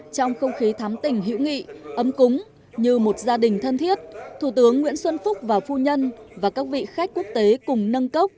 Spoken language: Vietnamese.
trong không khí thắm tình hữu nghị ấm cúng như một gia đình thân thiết thủ tướng nguyễn xuân phúc và phu nhân và các vị khách quốc tế cùng nâng cốc